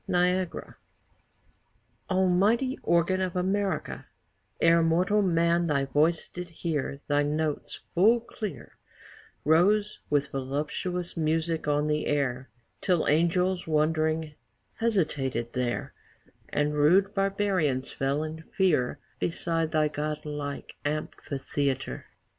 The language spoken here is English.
NIAGARA Almighty organ of America, E'er mortal man thy voice did hear Thy notes, full clear, Rose with voluptious music on the air, Till angels, wondering, hesitated there, And rude barbarians fell in fear Beside thy god like amphitheatre.